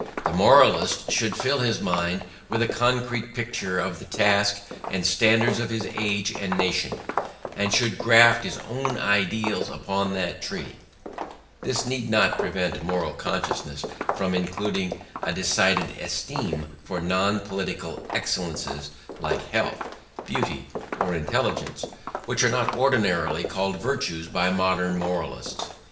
The moralist should fill his mind with a concrete picture of the task and standards of his age and nation, and should graft his own ideals upon that tree; this need not prevent moral consciousness from including a decided esteem for non political excellences like health, beauty, or intelligence, which are not ordinarily called virtues by modern moralists.